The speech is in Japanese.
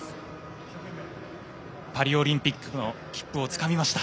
パリオリンピックの切符をつかみました。